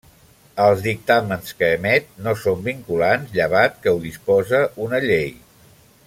Els dictàmens que emet no són vinculants, llevat que ho dispose una llei.